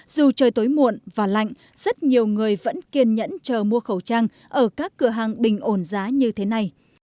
dù trời tối muộn và lạnh rất nhiều người vẫn kiên nhẫn chờ mua khẩu trang ở các cửa hàng bình ổn giá như thế này